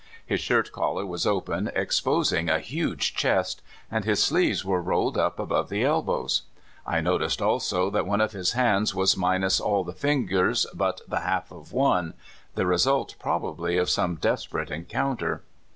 His shirt collar was open, exposing a huge chest, and his sleeves were rolled up above the elbows. I noticed also that one of his hands was minus all the fingers but the half of one — the result, probabl}^ of some desperate encounter.